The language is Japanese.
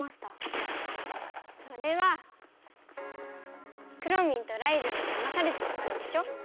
それはくろミンとライデェンにだまされてたからでしょ？